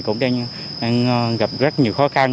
cũng đang gặp rất nhiều khó khăn